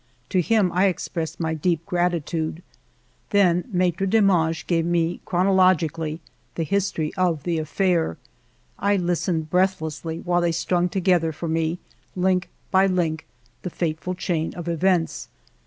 To him I expressed my deep gratitude. Then Maitre Demange gave me chronologically the history of the " Affaire^ I listened breathlessly while they strung together for me, link by link, that fateful chain of events.